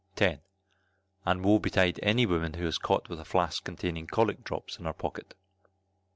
10. And woe betide any woman who is caught with a flask containing cholic drops in her pocket.